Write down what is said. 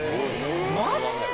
マジで？